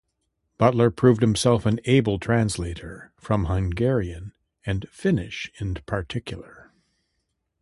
Butler proved himself an able translator from Hungarian and Finnish in particular.